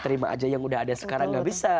terima aja yang udah ada sekarang nggak bisa